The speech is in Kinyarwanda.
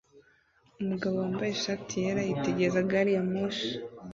Umugabo wambaye ishati yera yitegereza gari ya moshi